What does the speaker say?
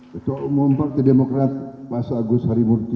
ketua umum partai demokrat mas agus harimurti